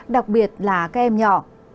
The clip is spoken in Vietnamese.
đặc biệt là kem nhỏ